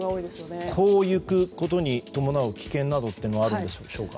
こう行くことに伴う危険などはあるのでしょうか？